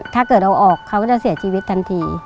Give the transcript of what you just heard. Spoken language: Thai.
ถ้าเกิดเอาออกเขาก็จะเสียชีวิตทันที